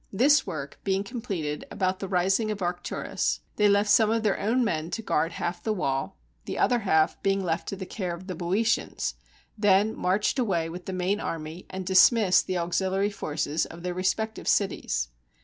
This work being completed about the rising of Arcturus, they left some 158 THE SIEGE OF PLAT^A of their own men to guard half of the wall, the other half being left to the care of the Boeotians, then marched away with the main army, and dismissed the auxiliary forces of their respective cities.